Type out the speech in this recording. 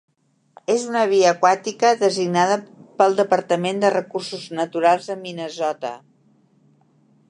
És una via aquàtica designada pel Departament de Recursos Naturals de Minnesota.